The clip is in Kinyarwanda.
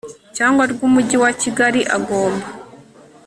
cyangwa rw umujyi wa kigali agomba